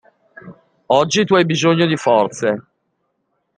Oggi tu hai bisogno di forze.